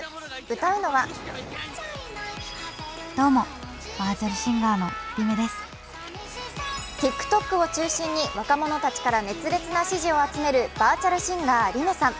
歌うのはＴｉｋＴｏｋを中心に若者たちから熱烈な支持を集めるバーチャルシンガー・理芽さん。